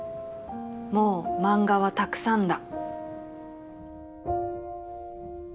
「もう漫画はたくさんだ」